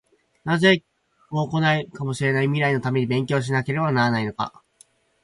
なぜ、もう来ないかもしれない未来のために勉強しなければならないのか？